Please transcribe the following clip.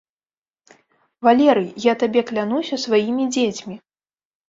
Валерый, я табе клянуся сваімі дзецьмі.